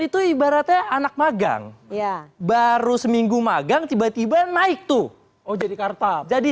itu ibaratnya anak magang ya baru seminggu magang tiba tiba naik tuh oh jadi karta jadi